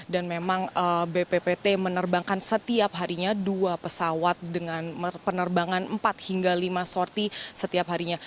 dan memang bppt menerbangkan setiap harinya dua pesawat dengan penerbangan empat hingga lima sorti setiap harinya